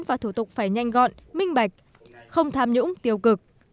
và thủ tục phải nhanh gọn minh bạch không tham nhũng tiêu cực